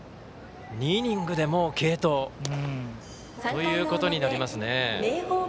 ２イニングで、もう継投というということになりますね。